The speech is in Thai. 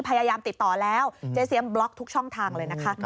พยายามติดต่อแล้วเจ๊เซียมบล็อกทุกช่องทางเลยนะคะ